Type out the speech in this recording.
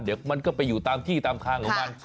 เดี๋ยวมันก็ไปอยู่ตามที่ตามคางของมัน